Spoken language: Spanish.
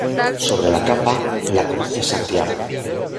Sobre la capa, la cruz de Santiago.